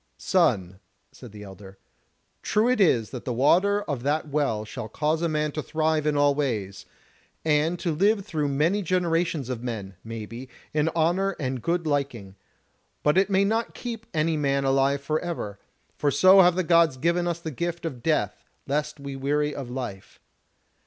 "Son," said the elder, "true it is that the water of that Well shall cause a man to thrive in all ways, and to live through many generations of men, maybe, in honour and good liking; but it may not keep any man alive for ever; for so have the Gods given us the gift of death lest we weary of life.